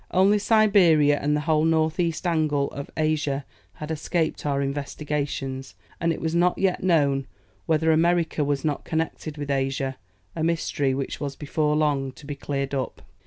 Only Siberia and the whole north east angle of Asia had escaped our investigations, and it was not yet known whether America was not connected with Asia, a mystery which was before long to be cleared up.